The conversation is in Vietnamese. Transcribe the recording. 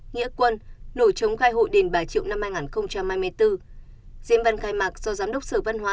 nghĩa quân nổi chống khai hội đền bà triệu năm hai nghìn hai mươi bốn diễn văn khai mạc do giám đốc sở văn hóa